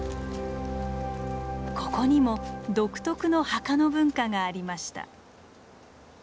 ここにも独特の墓の文化がありました。